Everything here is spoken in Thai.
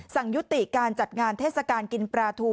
สั่งยุติการจัดงานเทศกาลกินปลาทู